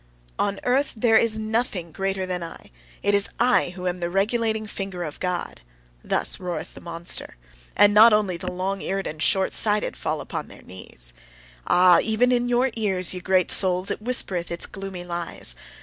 "On earth there is nothing greater than I: it is I who am the regulating finger of God" thus roareth the monster. And not only the long eared and short sighted fall upon their knees! Ah! even in your ears, ye great souls, it whispereth its gloomy lies!